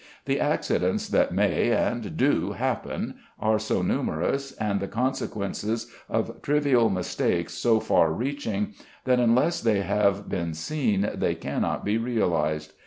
The accidents that may, and do, happen are so numerous, and the consequences of trivial mistakes so far reaching, that unless they have been seen they cannot be realised.